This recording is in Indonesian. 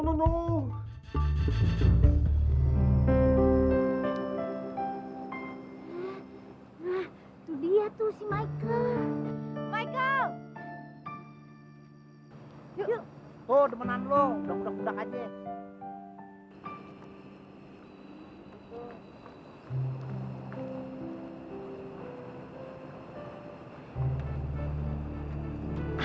oh demenan lo udah kudak kudak aja